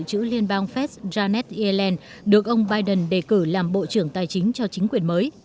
từ chủ tịch nhân hàng dự trữ liên bang fed janet yellen được ông biden đề cử làm bộ trưởng tài chính cho chính quyền mới